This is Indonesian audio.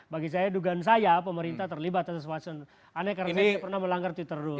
bagi saya dugaan saya pemerintah terlibat atau sesuatu aneh karena saya pernah melanggar titerus